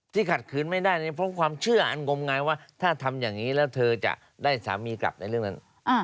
ขัดขืนไม่ได้เนี่ยเพราะความเชื่ออันงมงายว่าถ้าทำอย่างนี้แล้วเธอจะได้สามีกลับในเรื่องนั้น